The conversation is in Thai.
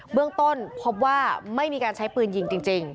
เบื้องต้นพบว่าไม่มีการใช้ปืนยิงจริง